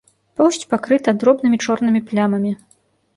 Поўсць пакрыта дробнымі чорнымі плямамі.